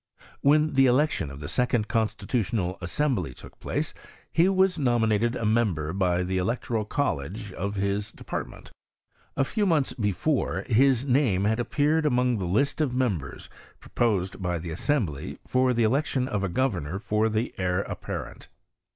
When the election of the second Constitutional ■ Assembly took place, he was nominated a members by the electoral college of his department, A few'" months before, his name had appeared among thei^ list of members proposed by the assembly, for thtf" election of a governor to the heir apparent.